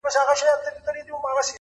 خدای به د وطن له مخه ژر ورک کړي دا شر.